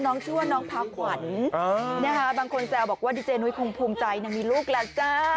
ชื่อน้องชื่อว่าน้องพระหวัญบางคนแจ้วบอกว่าดีเจนุ้ยคงภูมิใจยังมีลูกแหละจ้า